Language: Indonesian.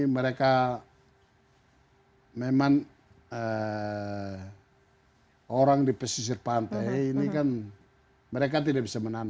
mereka memang orang di pesisir pantai ini kan mereka tidak bisa menanam